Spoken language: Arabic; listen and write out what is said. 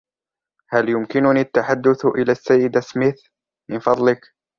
هل يمكنني التحدث إلى السيدة سميث ، من فضلك؟